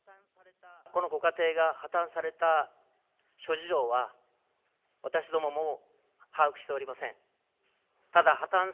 このご家庭が破綻された諸事情は、私どもも把握しておりません。